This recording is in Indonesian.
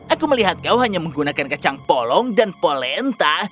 aku melihat kau hanya menggunakan kacang polong dan polenta